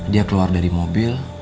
dia keluar dari mobil